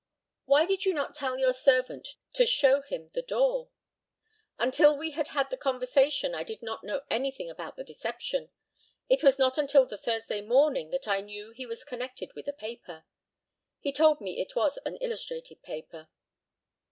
Why did you not tell your servant to show him the door? Until we had had the conversation I did not know anything about the deception. It was not until the Thursday morning that I knew he was connected with a paper. He told me it was an illustrated paper.